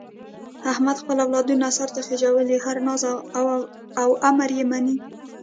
احمد خپل اولادونه سرته خېژولي، هر ناز او امر یې مني.